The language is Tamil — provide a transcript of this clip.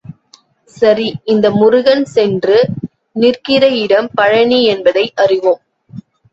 சரி இந்த முருகன் சென்று நிற்கிற இடம் பழநி என்பதை அறிவோம்.